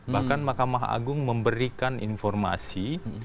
bahkan mahkamah agung memberikan informasi